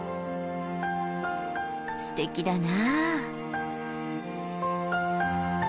すてきだな。